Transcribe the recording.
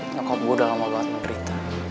nyokap gue udah lama banget mengerit